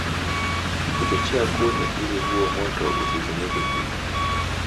kuchochea kuni ili huo moto usizimike Kitu